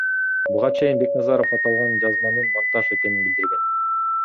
Буга чейин Бекназаров аталган жазманын монтаж экенин билдирген.